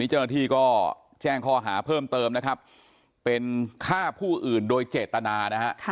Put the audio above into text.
เจ้าหน้าที่ก็แจ้งข้อหาเพิ่มเติมนะครับเป็นฆ่าผู้อื่นโดยเจตนานะฮะ